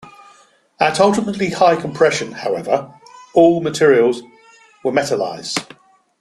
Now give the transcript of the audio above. At ultimately high compression, however, all materials will metallize.